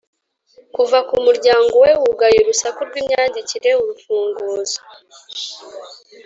kuva kumuryango we wugaye urusaku rwimyandikire-urufunguzo